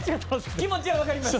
気持ちは分かります。